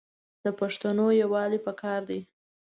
د پښتانو یوالي پکار دی.